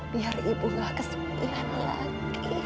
biar ibu gak kesepian lagi